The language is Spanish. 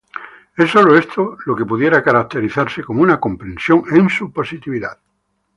Es sólo esto lo que pudiera caracterizarse como una comprensión en su positividad.